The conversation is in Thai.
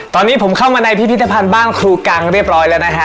ตอนนี้ผมเข้ามาในพิพิธภัณฑ์บ้านครูกังเรียบร้อยแล้วนะฮะ